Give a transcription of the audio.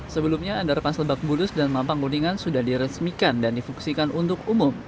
sebelumnya andar pas lebak bulus dan mampang kudingan sudah diresmikan dan difungsikan untuk umum